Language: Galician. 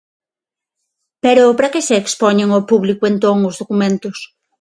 ¿Pero para que se expoñen ao público, entón, os documentos?